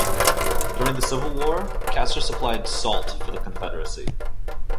During the Civil War, Castor supplied salt for the Confederacy.